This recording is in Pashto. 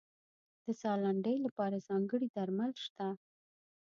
د ساه لنډۍ لپاره ځانګړي درمل شته.